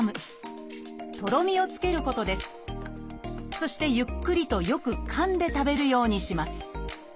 そしてゆっくりとよくかんで食べるようにします。